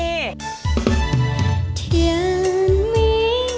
ไอ้ใจมองนี่